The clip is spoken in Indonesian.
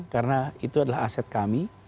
karena itu adalah aset kami